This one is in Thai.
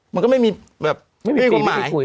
มันก็ไม่มีความหมาย